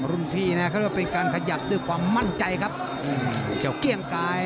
รุ่นพี่นะเขาเรียกว่าเป็นการขยับด้วยความมั่นใจครับเกี่ยวเกี้ยงกาย